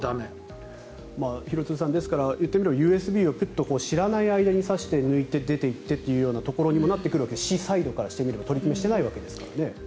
廣津留さん、言ってみればＵＳＢを知らない間に挿して出ていってそういう感じになってくるわけで市サイドからしてみれば取り決めをしてないわけですから。